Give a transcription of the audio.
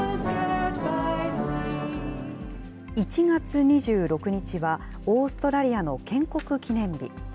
１月２６日は、オーストラリアの建国記念日。